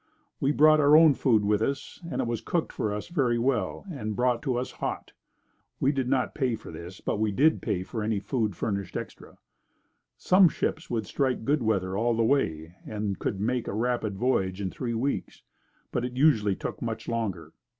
We brought our own food with us and it was cooked for us very well and brought to us hot. We did not pay for this but we did pay for any food furnished extra. Some ships would strike good weather all the way and then could make a rapid voyage in three weeks, but usually it took much longer.